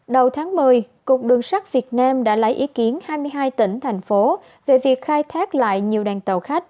đầu tháng một mươi cục đường sắt việt nam đã lấy ý kiến hai mươi hai tỉnh thành phố về việc khai thác lại nhiều đoàn tàu khách